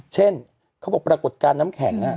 เช่นเขาบอกปรากฏการณ์น้ำแข็ง